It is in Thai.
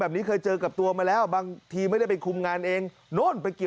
เบนเผารีนไค่นี้